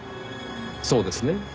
そうですね？